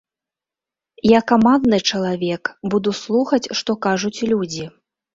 Я камандны чалавек, буду слухаць, што кажуць людзі.